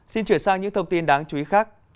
xin chuyển sang những thông tin đáng chú ý khác